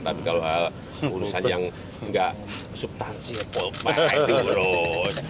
tapi kalau urusan yang tidak subtansi polpah itu urus